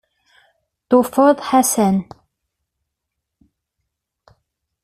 Tufa-d Ḥasan.